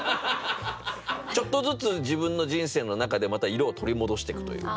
ちょっとずつ自分の人生の中でまた色を取り戻してくというか。